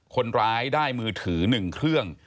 คนร้ายได้มือถือ๑เครื่อง